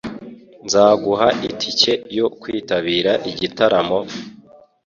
Nzaguha itike yo kwitabira igitaramo?